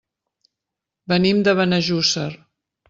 Venim de Benejússer.